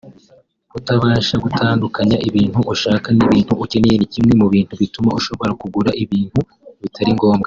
Kutabasha gutandukanya ibintu ushaka n’ibintu ukeneye ni kimwe mu bintu bituma ushobora kugura ibintu bitari ngombwa